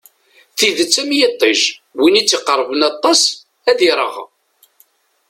Tidet am yiṭij, win i tt-iqerben aṭas ad ireɣ.